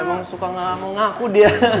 emang suka ngaku dia